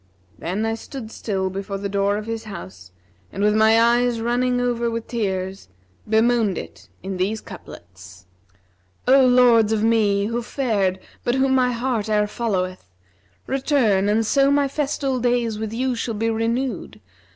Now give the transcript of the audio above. Then I stood still before the door of his house and with my eyes running over with tears, bemoaned it in these couplets, 'O Lords of me, who fared but whom my heart e'er followeth, * Return and so my festal days with you shall be renewed!